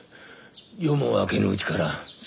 夜も明けぬうちからそっと。